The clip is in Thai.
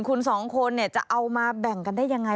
คุณ๒คนจะเอามาแบ่งกันได้อย่างไร